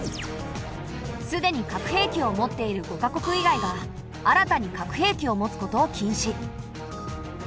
すでに核兵器を持っている５か国以外が新たに核兵器を持つことを禁止。